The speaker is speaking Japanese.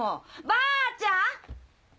ばあちゃん！